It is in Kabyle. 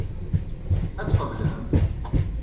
Ad t-tqeblem?